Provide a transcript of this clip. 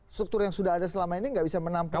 struktur yang sudah ada selama ini nggak bisa menampung